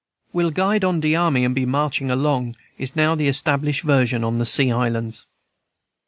"We'll guide on de army, and be marching along" is now the established version on the Sea Islands.